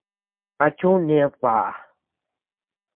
¿A chuu ned baa?